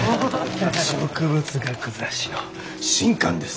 植物学雑誌の新刊です。